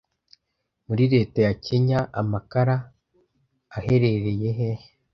Muri Leta ya kenya Amakara aherereyehe